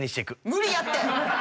無理やって！